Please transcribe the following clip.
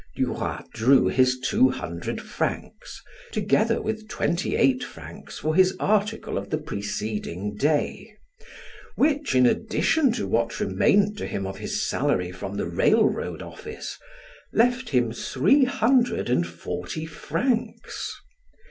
Duroy drew his two hundred francs together with twenty eight francs for his article of the preceding day, which, in addition to what remained to him of his salary from the railroad office, left him three hundred and forty francs.